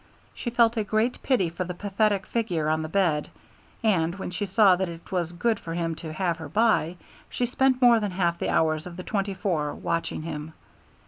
She felt a great pity for the pathetic figure on the bed and, when she saw that it was good for him to have her by, she spent more than half the hours of the twenty four watching him.